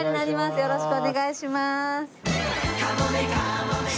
よろしくお願いします。